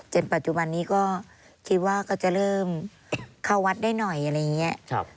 ปัจจุบันนี้ก็คิดว่าก็จะเริ่มเข้าวัดได้หน่อยอะไรอย่างนี้